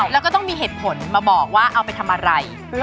แล้วก็ต้องมีเหตุผลมาบอกว่าเอาไปทำอะไร